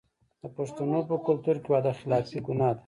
د پښتنو په کلتور کې وعده خلافي ګناه ده.